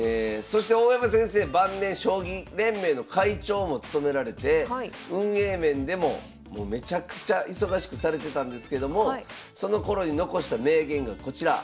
そして大山先生晩年将棋連盟の会長も務められて運営面でももうめちゃくちゃ忙しくされてたんですけどもそのころに残した名言がこちら。